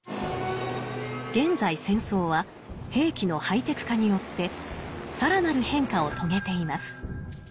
現在戦争は兵器のハイテク化によって更なる変化を遂げています。